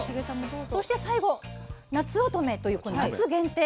そして最後なつおとめというこの夏限定。